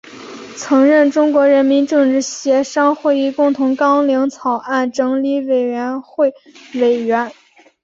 曾任中国人民政治协商会议共同纲领草案整理委员会委员。